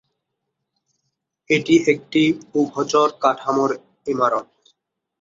এটি একটি উভচর কাঠামোর ইমারত।